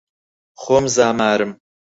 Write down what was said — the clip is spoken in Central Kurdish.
خۆم زامارم